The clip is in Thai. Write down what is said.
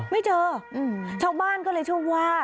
ไม่เจอชาวบ้านก็เลยเชื่อว่า